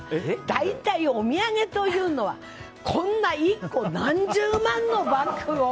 大体お土産というのはこんな１個何十万のバッグを